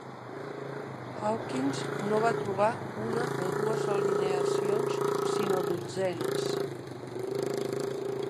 Hawkins no va trobar una o dues alineacions sinó dotzenes.